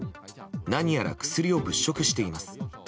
何やら薬を物色しています。